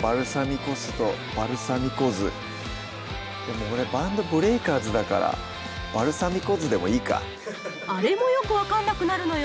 バルサミコ酢とバルサミコ酢でも俺バンドＢＲＥＡＫＥＲＺだからバルサミコ酢でもいいかあれもよく分かんなくなるのよ